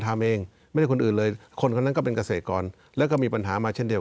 ทำเองไม่ได้คนนั้นอื่นเลย